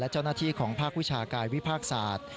เจ้าหน้าที่ของภาควิชากายวิภาคศาสตร์